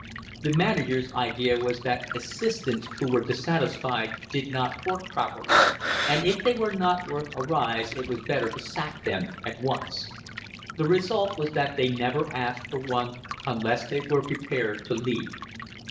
The manager's idea was that assistants who were dissatisfied did not work properly, and if they were not worth a rise it was better to sack them at once. The result was that they never asked for one unless they were prepared to leave.